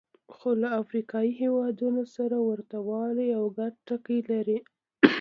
خو له افریقایي هېوادونو سره ورته والی او ګډ ټکي لري.